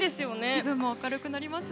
気分も明るくなります。